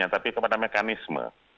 tapi kepada mekanisme